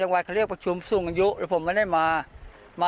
อ๋อแล้ววันนั้นรถไถน่ะลุงเห็นรถไถไหมครับ